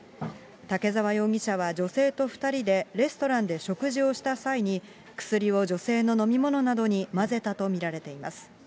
竹沢容疑者は女性と２人でレストランで食事をした際に、薬を女性の飲み物などに混ぜたと見られています。